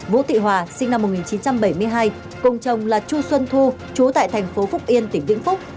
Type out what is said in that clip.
vũ thị hòa sinh năm một nghìn chín trăm bảy mươi hai cùng chồng là chu xuân thu trú tại tp phúc yên tỉnh vĩnh phúc